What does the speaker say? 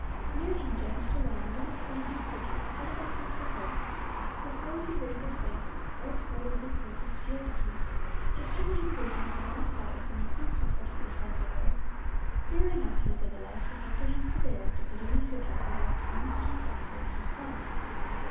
Near him danced along a little pleasing figure, elegantly prosaic with rosy, wrinkled face, bright gray little coat with steel buttons, distributing greetings on all sides in an insupportably friendly way, leering up, nevertheless, with apprehensive air at the gloomy figure who walked earnest and thoughtful at his side.